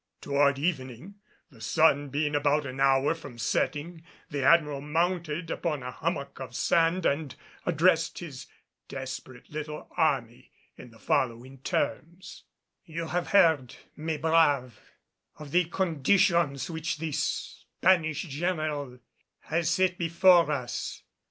Toward evening, the sun being about an hour from setting, the Admiral mounted upon a hummock of sand and addressed his desperate little army in the following terms: "You have heard, mes braves, of the conditions which this Spanish general has set before us.